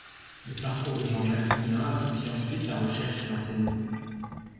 Le parcours de Jean-Jacques Hublin associe ensuite la recherche et l'enseignement.